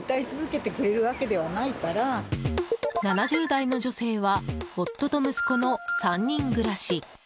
７０代の女性は夫と息子の３人暮らし。